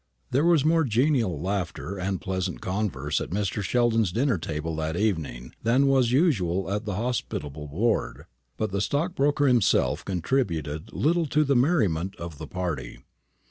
There was more genial laughter and pleasant converse at Mr. Sheldon's dinner table that evening than was usual at that hospitable board; but the stockbroker himself contributed little to the merriment of the party.